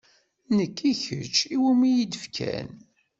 Nekk i kečč i wumi iyi-d-fkan.